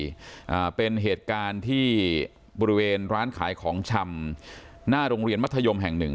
อ่าเป็นเหตุการณ์ที่บริเวณร้านขายของชำหน้าโรงเรียนมัธยมแห่งหนึ่ง